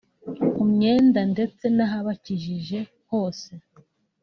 ku myenda ndetse n’ahabakikije hose